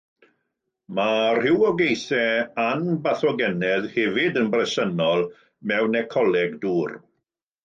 Mae rhywogaethau anbathogenaidd hefyd yn bresennol mewn ecoleg dŵr.